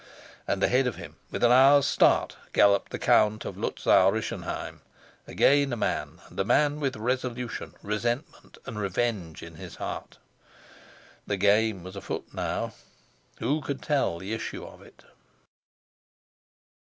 And ahead of him, with an hour's start, galloped the Count of Luzau Rischenheim, again a man, and a man with resolution, resentment, and revenge in his heart. The game was afoot now; who could tell the issue of it?